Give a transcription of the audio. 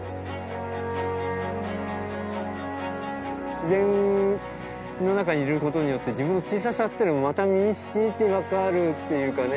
自然の中にいることによって自分の小ささっていうのがまた身にしみて分かるっていうかね。